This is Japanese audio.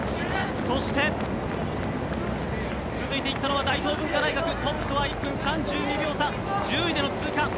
そして、続いて大東文化大学トップとは１分３２秒差１０位での通過。